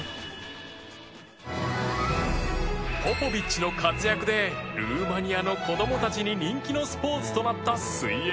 ポポビッチの活躍でルーマニアの子どもたちに人気のスポーツとなった水泳